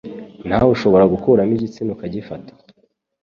Nawe ushobora gukuramo igitsina ukagifata